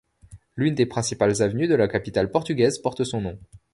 L'une des principales avenues de la capitale portugaise porte son nom.